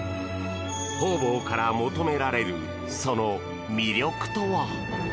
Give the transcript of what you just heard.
ほうぼうから求められるその魅力とは。